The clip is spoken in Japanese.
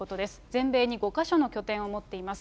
全米に５か所の拠点を持っています。